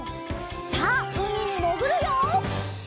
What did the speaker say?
さあうみにもぐるよ！